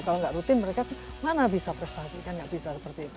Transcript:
kalau nggak rutin mereka di mana bisa prestasi kan nggak bisa seperti itu